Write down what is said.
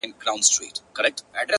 پر سر یې راوړل کشمیري د خیال شالونه!.